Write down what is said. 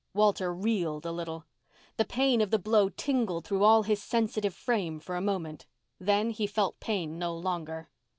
Walter reeled a little. The pain of the blow tingled through all his sensitive frame for a moment. Then he felt pain no longer.